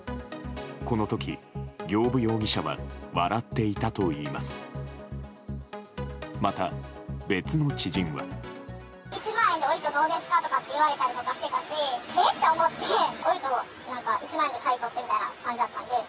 この時、行歩容疑者は笑っていたといいます。